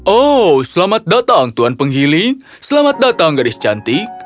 oh selamat datang tuan penghiling selamat datang gadis cantik